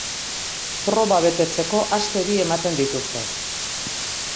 Proba betetzeko aste bi ematen dituzte.